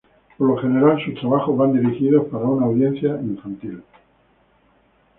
Por lo general, sus trabajos van dirigidos para una audiencia infantil.